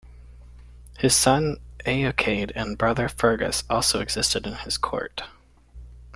His son Eochaid and brother Fergus also exist in his court.